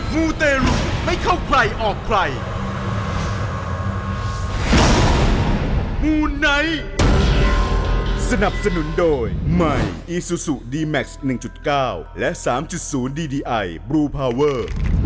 มูไนท์สนับสนุนโดยใหม่อีซูซูดีแม็กซ์๑๙และ๓๐ดีดีไอบลูพาเวอร์